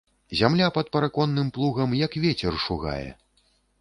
Зямля пад параконным плугам, як вецер, шугае.